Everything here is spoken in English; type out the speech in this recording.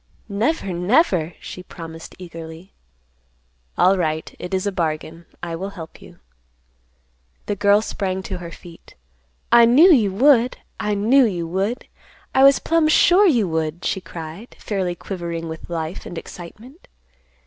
"Never, never," she promised eagerly. "Alright, it is a bargain. I will help you." The girl sprang to her feet. "I knew you would. I knew you would. I was plumb sure you would," she cried, fairly quivering with life and excitement.